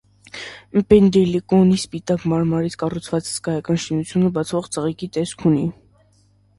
Պենդելիկոնի սպիտակ մարմարից կառուցված հսկայական շինությունը բացվող ծաղկի տեսք ունի։